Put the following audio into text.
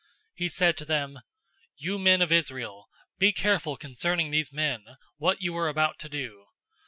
005:035 He said to them, "You men of Israel, be careful concerning these men, what you are about to do.